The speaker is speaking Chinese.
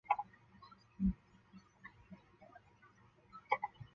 吴王夫差立邾桓公革继位。